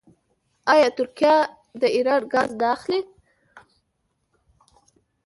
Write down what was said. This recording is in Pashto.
آیا ترکیه د ایران ګاز نه اخلي؟